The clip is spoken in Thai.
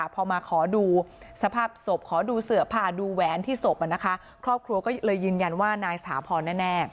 พอมาขอดูสภาพศพขอดูเสือผ่าดูแหวนที่ศพครอบครัวก็เลยยืนยันว่านายสถาพรแน่